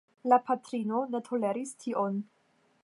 La patrino ne toleris tion.